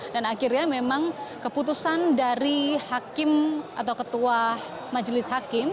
dan akhirnya memang keputusan dari hakim atau ketua majelis hakim